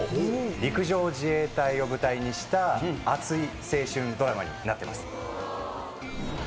陸上自衛隊を舞台にした熱い青春ドラマになってます。